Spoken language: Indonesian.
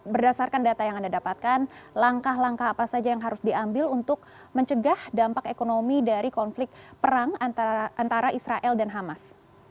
berdasarkan data yang anda dapatkan langkah langkah apa saja yang harus diambil untuk mencegah dampak ekonomi dari konflik perang antara israel dan hamas